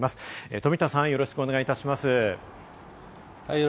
富田さん、よろしくお願いします。